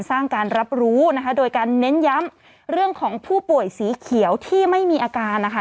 สร้างการรับรู้นะคะโดยการเน้นย้ำเรื่องของผู้ป่วยสีเขียวที่ไม่มีอาการนะคะ